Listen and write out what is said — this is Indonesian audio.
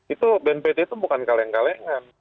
itu bnpt itu bukan kaleng kalengan